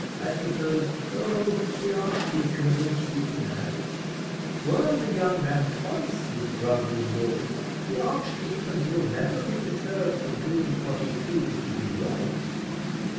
I suppose " "Oh, the archdeacon will see to that: were the young man twice his brother in law, the archdeacon will never be deterred from doing what he feels to be right."